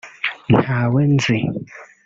ntawe nzi